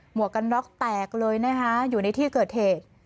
วกกันน็อกแตกเลยนะคะอยู่ในที่เกิดเหตุ